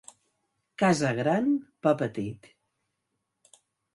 Casa gran, pa petit.